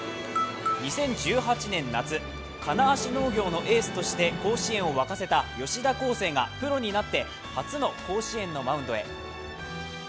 ２０１８年夏、金足農業のエースとして甲子園を沸かせた吉田輝星がプロになって初の甲子園のマウンドへ。